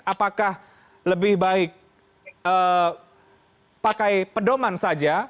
apakah lebih baik pakai pedoman saja